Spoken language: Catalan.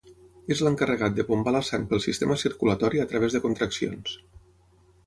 És l'encarregat de bombar la sang pel sistema circulatori a través de contraccions.